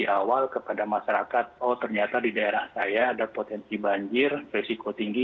kalau saya memberikan informasi awal kepada masyarakat oh ternyata di daerah saya ada potensi banjir risiko tinggi